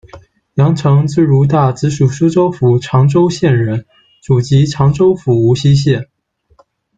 杨成，字汝大，直隶苏州府长洲县人，祖籍常州府无锡县。